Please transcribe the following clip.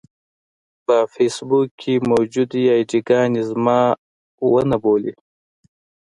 په فېسبوک کې موجودې اې ډي ګانې زما ونه بولي.